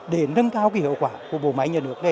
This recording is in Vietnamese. để nâng cao hiệu quả của bộ máy nhà nước